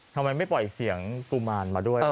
ทำไมไม่ปล่อยเสียงกุมารมาด้วย